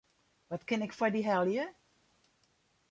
Wat kin ik foar dy helje?